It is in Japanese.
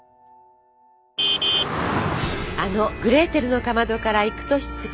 あの「グレーテルのかまど」から幾年月。